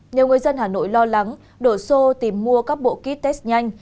nhiều người dân hà nội lo lắng đổ xô tìm mua các bộ kit test nhanh